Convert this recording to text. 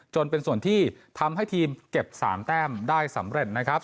จนเป็นส่วนที่ทำให้ทีมเก็บ๓แต้มได้สำเร็จนะครับ